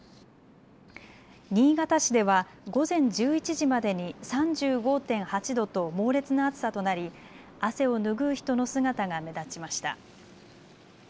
新潟市では午前１１時までに３５．８度と猛烈な暑さとなり汗を拭う人の姿が目立ちました。